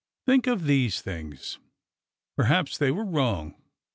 .. think on these things." Per haps they were wrong.